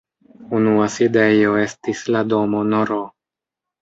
Unua sidejo estis la domo nr.